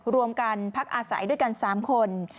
รวมกันพักอาศัยด้วยกัน๓คน